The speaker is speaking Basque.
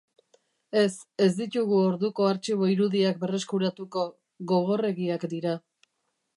Ez, ez ditugu orduko artxibo irudiak berreskuratuko, gogorregiak dira.